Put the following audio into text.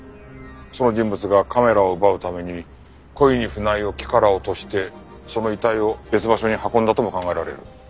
その人物がカメラを奪うために故意に船井を木から落としてその遺体を別場所に運んだとも考えられる。